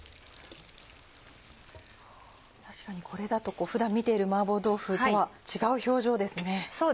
確かにこれだと普段見ている麻婆豆腐とは違う表情ですね。